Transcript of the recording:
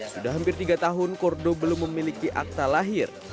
sudah hampir tiga tahun kordo belum memiliki akta lahir